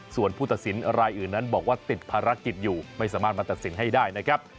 ส่วนผู้ตัดสินรายอื่นนั้นบอกว่าติดภารกิจอยู่ไม่สามารถมาตัดสินให้ได้นะครับ